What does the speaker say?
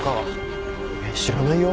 知らないよ？